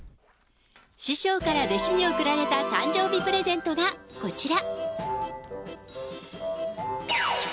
師匠から弟子に贈られた誕生日プレゼントがこちら。